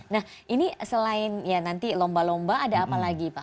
nah ini selain ya nanti lomba lomba ada apa lagi pak